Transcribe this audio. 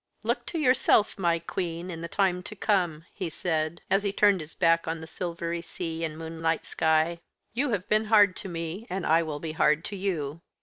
"Look to yourself, my queen, in the time to come," he said, as he turned his back on the silvery sea and moonlight sky. "You have been hard to me and I will be hard to you.